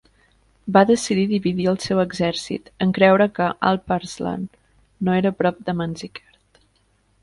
Va decidir dividir el seu exèrcit en creure que Alp Arslan no era a prop de Manzikert.